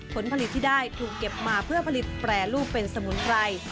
ผลผลิตที่ได้ถูกเก็บมาเพื่อผลิตแปรรูปเป็นสมุนไพร